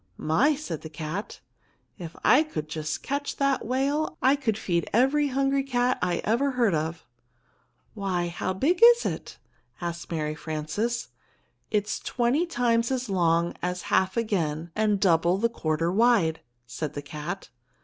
"My," said the cat, "if I could just catch that whale, I could feed every hungry cat I ever heard of." "Why, how big is it?" asked Mary Frances. "It's twenty times as long as half again, and double the quarter wide," said the cat.